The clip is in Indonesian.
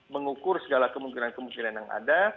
mengukur segala kemungkinan kemungkinan yang ada